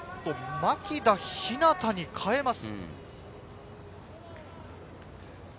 牧田陽太に代えます。